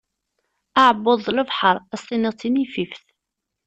Aɛebbuḍ d lebḥar, ad as-tiniḍ d tinifift.